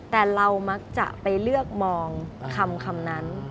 แต่เรามักจะไปเลือกมองคำนั้น